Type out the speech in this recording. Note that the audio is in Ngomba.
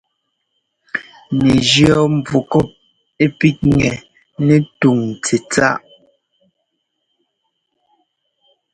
Nɛ jíɔ́ nvukɔp ɛ píkŋɛ nɛ túŋ tsɛ̂tsáʼ.